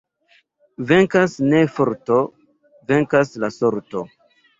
Venkas ne forto, venkas la sorto.